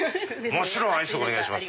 もちろんアイスでお願いします。